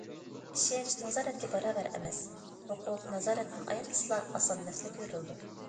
ئىشەنچ نازارەتكە باراۋەر ئەمەس، ھوقۇق نازارەتتىن ئايرىلسىلا ئاسان مەسىلە كۆرۈلىدۇ.